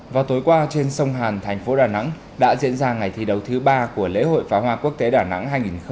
vào tối qua trên sông hàn thành phố đà nẵng đã diễn ra ngày thi đấu thứ ba của lễ hội phá hoa quốc tế đà nẵng hai nghìn một mươi chín